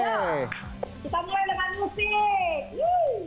kita mulai dengan musik